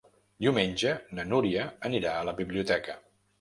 Diumenge na Núria anirà a la biblioteca.